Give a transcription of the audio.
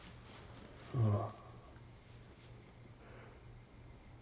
うん。